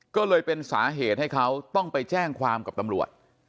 ก็เลยเป็นสาเหตุให้เขาต้องไปแจ้งความกับตำรวจ